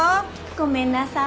ごめんなさい。